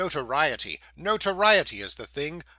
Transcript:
Notoriety, notoriety, is the thing.